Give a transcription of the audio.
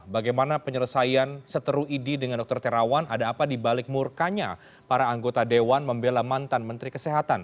bagaimana penyelesaian seteru idi dengan dr terawan ada apa dibalik murkanya para anggota dewan membela mantan menteri kesehatan